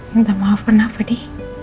minta maaf kenapa di